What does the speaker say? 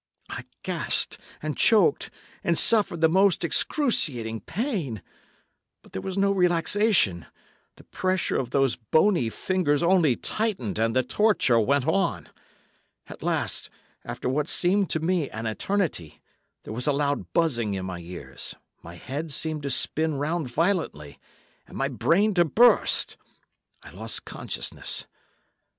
I gasped, and choked, and suffered the most excruciating pain. But there was no relaxation—the pressure of those bony fingers only tightened and the torture went on. At last, after what seemed to me an eternity, there was a loud buzzing in my ears, my head seemed to spin round violently, and my brain to burst. I lost consciousness.